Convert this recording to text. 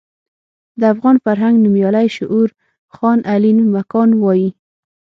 د افغان فرهنګ نومیالی شعور خان علين مکان وايي.